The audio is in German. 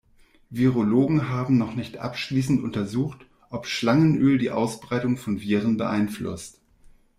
Virologen haben noch nicht abschließend untersucht, ob Schlangenöl die Ausbreitung von Viren beeinflusst.